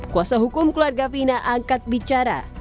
kuasa hukum keluarga pina angkat bicara